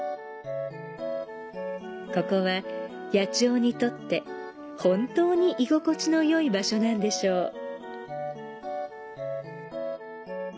ここは野鳥にとって本当に居心地のよい場所なんでしょう。